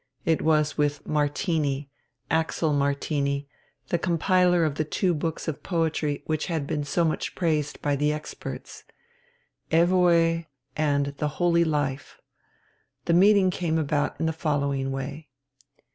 It was with Martini, Axel Martini, the compiler of the two books of poetry which had been so much praised by the experts, "Evoë!" and "The Holy Life." The meeting came about in the following way.